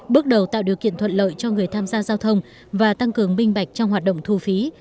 bước đầu tạo điều kiện thuận lợi cho người tham gia giao thông và tăng cường minh bạch trong hoạt động thu phí